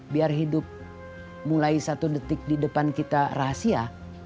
biar hidup mulai satu detik di depan kita rahasia